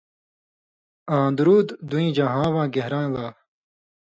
آں درُود دُویں جَہانواں گھین٘رہ لا